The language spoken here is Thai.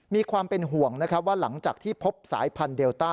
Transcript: มีความเป็นห่วงนะครับว่าหลังจากที่พบสายพันธุเดลต้า